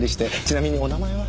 ちなみにお名前は？